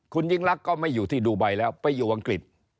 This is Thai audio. คุณยิ่งรักก็ไม่อยู่ที่ดูไบแล้วไปอยู่อังกฤษ